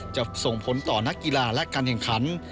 ส่งผลต่อนักกีฬาและการแข่งขัน